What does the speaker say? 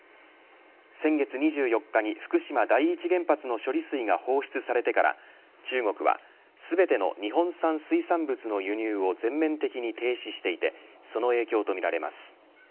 先月２４日に、福島第一原発の処理水が放出されてから中国は全ての日本産水産物の輸入を全面的に停止していてその影響とみられます。